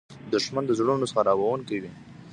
دښمن د زړونو خرابوونکی وي